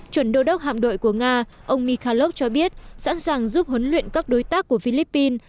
chuẩn đô đốc hạm đội của nga ông mikhalov cho biết sẵn sàng giúp huấn luyện các đối tác của philippines